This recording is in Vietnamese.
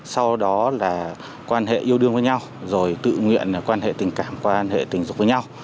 sau đó là quan hệ yêu đương với nhau rồi tự nguyện quan hệ tình cảm quan hệ tình dục với nhau